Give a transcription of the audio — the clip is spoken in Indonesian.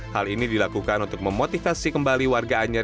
hal ini dilakukan untuk memotivasi kembali warga anyar